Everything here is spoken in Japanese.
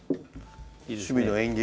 「趣味の園芸」